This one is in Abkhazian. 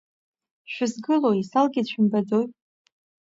Шәызгылои салгеит шәымбаӡои?